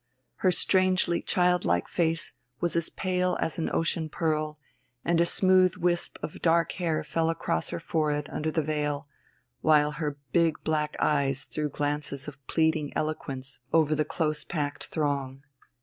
Her strangely childlike face was as pale as an ocean pearl, and a smooth wisp of dark hair fell across her forehead under the veil, while her big black eyes threw glances of pleading eloquence over the close packed throng.